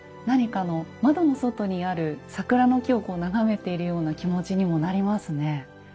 何か窓の外にある桜の木を眺めているような気持ちにもなりますね。